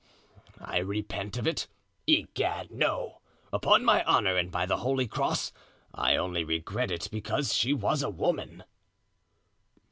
I repent of it? Egad! no. Upon my honor and by the holy cross; I only regret it because she was a woman."